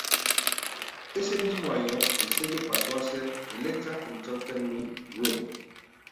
Ese mismo año, el sello pasó a ser "Elektra Entertainment Group".